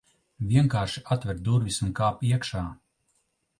Vienkārši atver durvis, un kāp iekšā.